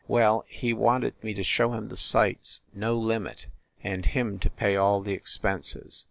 Well, he wanted me to show him the sights, no limit, and him to pay all the expenses.